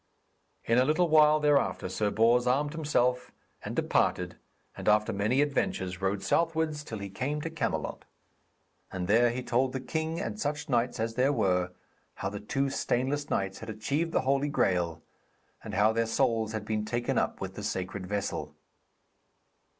In a little while thereafter Sir Bors armed himself, and departed, and after many adventures, rode southwards till he came to Camelot. And there he told the king and such knights as there were, how the two stainless knights had achieved the Holy Graal, and how their souls had been taken up with the sacred vessel.